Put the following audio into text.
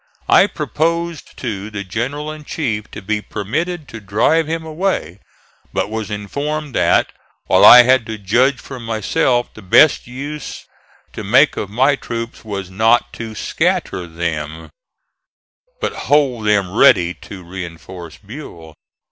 I proposed to the general in chief to be permitted to drive him away, but was informed that, while I had to judge for myself, the best use to make of my troops WAS NOT TO SCATTER THEM, but hold them ready to reinforce Buell.